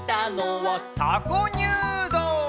「たこにゅうどう」